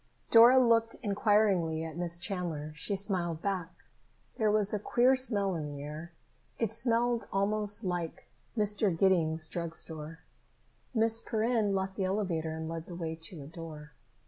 Dora looked inquiringly at Miss Chandler. She smiled back. There was a queer smell in the air. It smelled almost like Mr. Giddings' drug store. Miss Perrin left the elevator and led the way to a door.